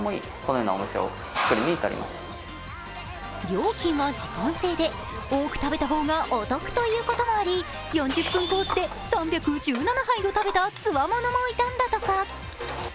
料金は時間制で、多く食べた方がお得ということもあり、４０分コースで３１７杯を食べた強者もいたんだとか。